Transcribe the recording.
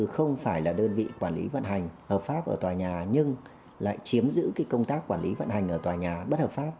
không phải là đơn vị quản lý vận hành hợp pháp ở tòa nhà nhưng lại chiếm giữ công tác quản lý vận hành ở tòa nhà bất hợp pháp